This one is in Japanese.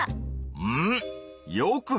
うん。